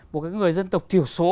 một người dân tộc thiểu số